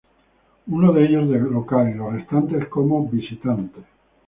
Uno de ellos de local y los restantes como visitante.